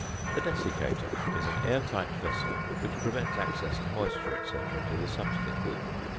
A desiccator (fig. 23) is an air tight vessel which prevents access of moisture, &c., to the substance.